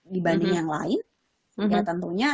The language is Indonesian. dibanding yang lain ya tentunya